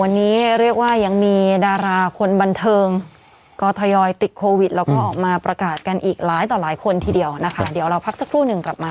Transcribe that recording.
วันนี้เรียกว่ายังมีดาราคนบันเทิงก็ทยอยติดโควิดแล้วก็ออกมาประกาศกันอีกหลายต่อหลายคนทีเดียวนะคะเดี๋ยวเราพักสักครู่หนึ่งกลับมา